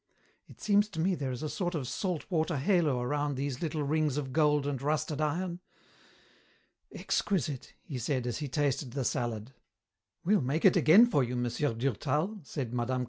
It seems to me there is a sort of salt water halo around these little rings of gold and rusted iron. Exquisite," he said as he tasted the salad. "We'll make it again for you, Monsieur Durtal," said Mme.